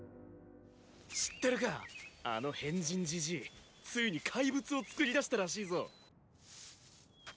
知ってるかあの変人じじいついに怪物を作り出したらしいぞ。